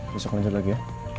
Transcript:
besok lanjut lagi ya